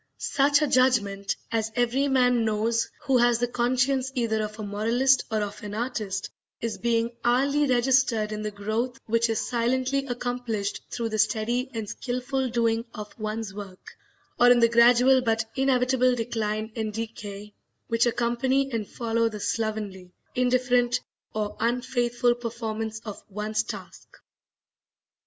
Such a judgment, as every man knows who has the conscience either of a moralist or of an artist, is being hourly registered in the growth which is silently accomplished through the steady and skilful doing of one's work, or in the gradual but inevitable decline and decay which accompany and follow the slovenly, indifferent, or unfaithful performance of one's task.